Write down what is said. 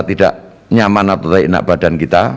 tidak nyaman atau terinak badan kita